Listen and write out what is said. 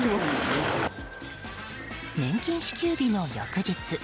年金支給日の翌日。